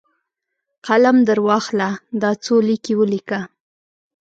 قلم درواخله ، دا څو لیکي ولیکه!